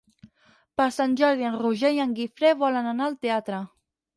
Per Sant Jordi en Roger i en Guifré volen anar al teatre.